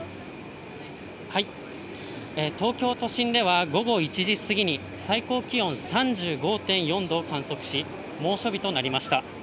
東京都心では午後１時過ぎに、最高気温３５．４度を観測し、猛暑日となりました。